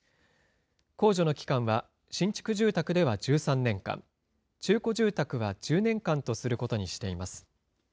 控除の期間は新築住宅では１３年間、中古住宅は１０年間とすることにしています。